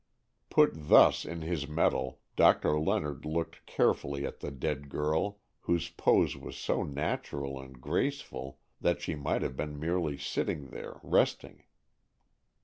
Put thus on his mettle, Doctor Leonard looked carefully at the dead girl, whose pose was so natural and graceful that she might have been merely sitting there, resting.